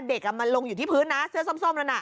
เด็กอ่ะมันลงอยู่ที่พื้นนะเสื้อส้มส้มแล้วน่ะ